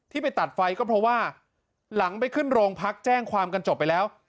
ไปตัดไฟก็เพราะว่าหลังไปขึ้นโรงพักแจ้งความกันจบไปแล้ว